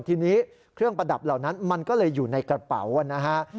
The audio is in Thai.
ทีนี้เครื่องประดับเหล่านั้นมันก็เลยอยู่ในกระเป๋านะฮะ